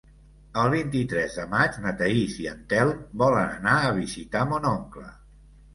El vint-i-tres de maig na Thaís i en Telm volen anar a visitar mon oncle.